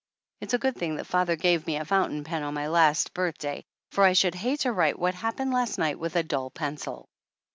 It's a good thing that father gave me a foun tain pen on my last birthday, for I should hate to write what happened last night with a dull pencil.